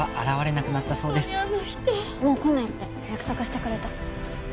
もう来ないって約束してくれた。